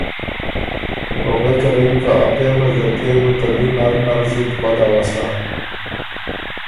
او غوېکه له یِن که ا پېغله ځرګۀ يې بُو ته بی نر زُت بد اؤسا